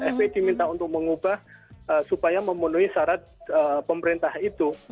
fpi diminta untuk mengubah supaya memenuhi syarat pemerintah itu